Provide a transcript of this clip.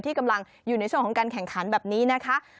ที่กำลังอยู่ในช่วงของการแข่งขันแบบนี้นะคะ